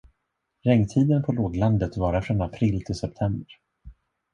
Regntiden på låglandet varar från april till september.